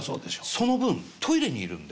その分トイレにいるんで。